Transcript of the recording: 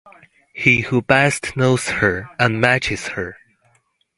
He who best knows her, and matches her.